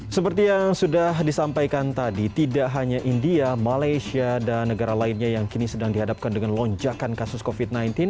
seperti yang sudah disampaikan tadi tidak hanya india malaysia dan negara lainnya yang kini sedang dihadapkan dengan lonjakan kasus covid sembilan belas